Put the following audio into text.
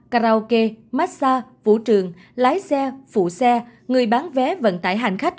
karaoke massage vũ trường lái xe phụ xe người bán vé vận tải hành khách